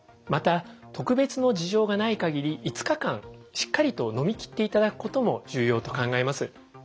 また特別の事情がない限り５日間しっかりとのみ切っていただくことも重要と考えます。